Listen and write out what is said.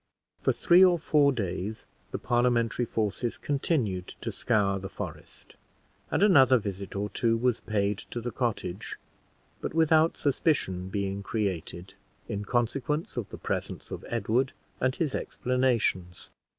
For three or four days the Parliamentary forces continued to scour the forest, and another visit or two was paid to the cottage, but without suspicion being created, in consequence of the presence of Edward and his explanations.